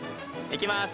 いきます。